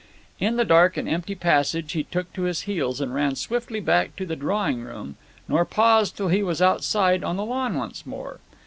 In the dark and empty passage he took to his heels and ran swiftly back to the drawing room, nor paused till he was outside on the lawn once more.